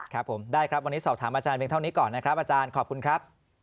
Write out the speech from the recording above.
ครับผมได้ครับวันนี้สอบถามอาจารย์เพียงเท่านี้ก่อนนะครับอาจารย์ขอบคุณครับ